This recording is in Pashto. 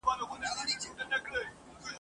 سړي سمدستي کلا ته کړ دننه !.